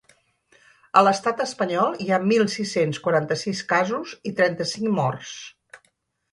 A l’estat espanyol hi ha mil sis-cents quaranta-sis casos i trenta-cinc morts.